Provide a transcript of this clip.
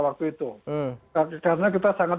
waktu itu karena kita sangat